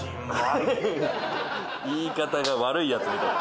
言い方が悪いやつみたい